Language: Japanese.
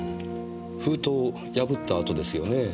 封筒を破ったあとですよねぇ。